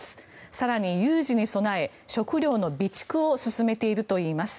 更に、有事に備え食料の備蓄を進めているといいます。